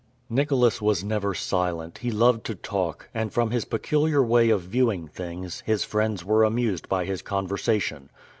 Nicholas was never silent, he loved to talk, and, from his peculiar way of viewing things, his friends were amused by his conversation.